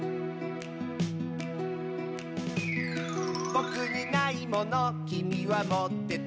「ぼくにないものきみはもってて」